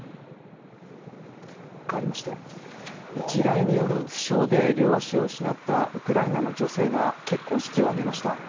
かわりまして地雷による負傷で両足を失ったウクライナの女性が結婚式を挙げました。